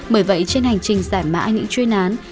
bởi vậy trên hành trình giải mã những chuyên án